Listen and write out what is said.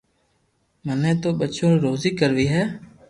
مني تو ٻچو ري روزي ڪروي ھي